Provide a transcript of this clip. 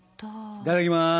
いただきます。